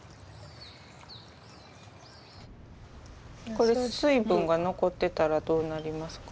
これ水分が残ってたらどうなりますか？